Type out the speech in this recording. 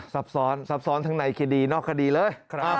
สับสอนสับสอนทั้งในก็ดีนอกก็ดีเลยครับ